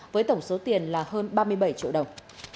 với tổng số tiền là hơn ba mươi bảy triệu đồng